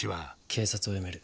警察を辞める。